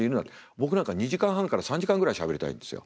僕なんか２時間半から３時間ぐらいしゃべりたいんですよ